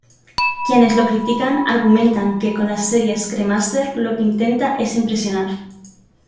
Quienes lo critican, argumentan que con las series "Cremaster", lo que intenta es impresionar.